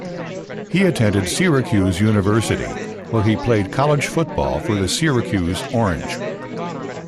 He attended Syracuse University, where he played college football for the Syracuse Orange.